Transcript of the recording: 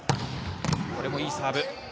これもいいサーブ。